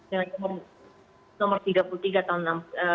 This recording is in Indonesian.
yang nomor tiga puluh tiga tahun dua ribu enam belas